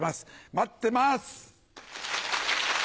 待ってます！